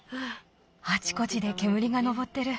あちこちでけむりが上ってる。